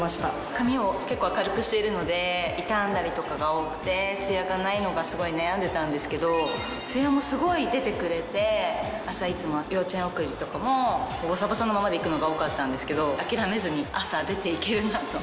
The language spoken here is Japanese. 髪を結構明るくしているので傷んだりとかが多くてツヤがないのがすごい悩んでたんですけどツヤもすごい出てくれて朝いつも幼稚園送りとかもボサボサのままで行くのが多かったんですけど諦めずに朝出ていけるなと。